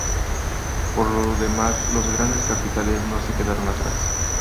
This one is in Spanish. Por lo demás, los grandes capitales no se quedaron atrás.